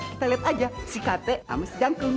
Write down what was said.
kita liat aja si kt sama si jangkung